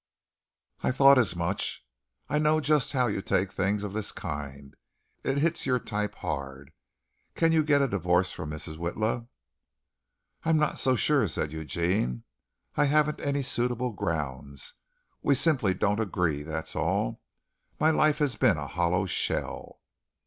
"I thought as much. I know just how you take a thing of this kind. It hits your type hard. Can you get a divorce from Mrs. Witla?" "I'm not so sure," said Eugene. "I haven't any suitable grounds. We simply don't agree, that's all my life has been a hollow shell."